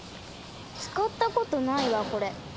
使った事ないわこれ。